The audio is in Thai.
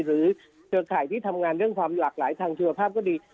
เครือข่ายที่ทำงานเรื่องความหลากหลายทางชีวภาพก็ดี